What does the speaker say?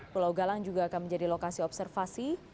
pulau galang juga akan menjadi lokasi observasi